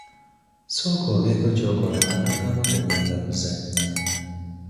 Sooka obeeko ky'okola nga tonnaba kugenda kuzannya.